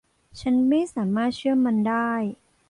ฉันไม่สามารถเชื่อมันได้.